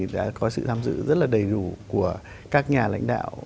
đã có sự giám sử rất là đầy đủ của các nhà lãnh đạo